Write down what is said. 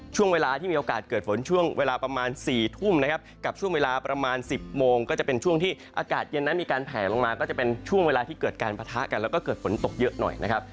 ช่วงเวลาที่มีโอกาสเกิดฝนช่วงเวลาประมาณ๔ทุ่มนะครับกับช่วงเวลาประมาณ๑๐โมงก็จะเป็นช่วงที่อากาศเย็นนั้นมีการแผลลงมาก็จะเป็นช่วงเวลาที่เกิดการปะทะกันแล้วก็เกิดฝนตกเยอะหน่อยนะครับ